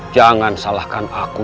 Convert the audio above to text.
jangan salahkan aku